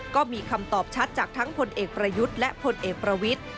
ก็มีคำตอบชัดจากทั้งผลเอกประยุทธ์และพลเอกประวิทธิ์